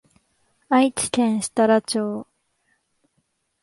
愛知県設楽町